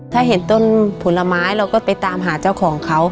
ถ้าเห็นต้นผลไม้เราก็ไปตามหาเจ้าของเขา